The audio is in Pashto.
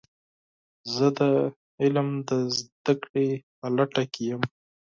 زه د علم د زده کړې په لټه کې یم.